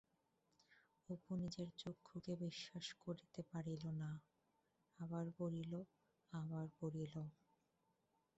অপু নিজের চক্ষুকে বিশ্বাস করিতে পারিল না,-আবার পড়িল-আবার পড়িল।